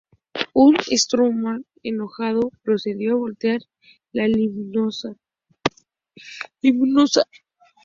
Un Strowman enojado procedió a voltear la limusina.